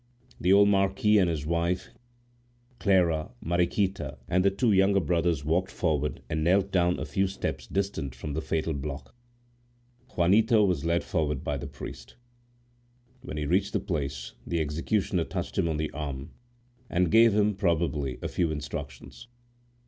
The old marquis and his wife, Clara, Mariquita, and the two younger brothers walked forward and knelt down a few steps distant from the fatal block. Juanito was led forward by the priest. When he reached the place the executioner touched him on the arm and gave him, probably, a few instructions.